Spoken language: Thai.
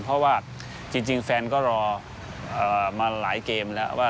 เพราะว่าจริงแฟนก็รอมาหลายเกมแล้วว่า